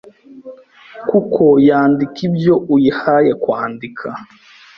kuko yandika ibyo uyihaye kwandika.